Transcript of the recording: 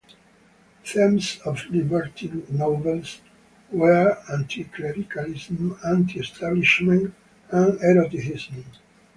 Themes of libertine novels were anti-clericalism, anti-establishment and eroticism.